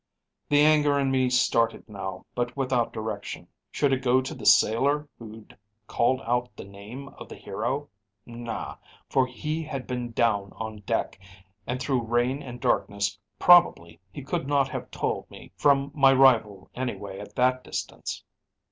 "The anger in me started now, but without direction. Should it go to the sailor who'd called out the name of the hero? Naw, for he had been down on deck, and through rain and darkness probably he could not have told me from my rival anyway at that distance.